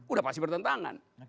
udah pasti bertentangan